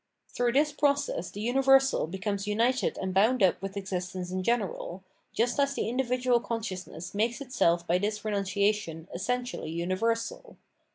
Through this process the universal becomes united and bound up with existence in general, just as the individual consciousness makes itself by this remmcia tion essentially universal.